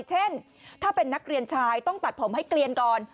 เช่นถ้าเป็นนักเรียนชายต้องตัดผมให้เกลียนก่อน